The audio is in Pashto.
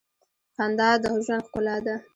• خندا د ژوند ښکلا ده.